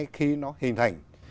khi nó hình thành